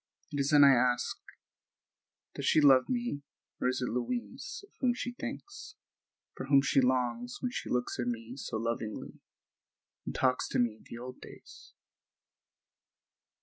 It is then I ask, "Does she love me, or is it Louise, of whom she thinks, for whom she longs when she looks at me so lovingly and talks to me of the old days?"